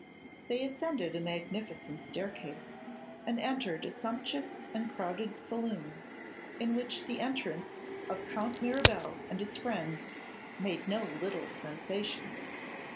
They ascended a magnificent staircase, and entered a sumptuous and crowded saloon, in which the entrance of Count Mirabel and his friends made no little sensation.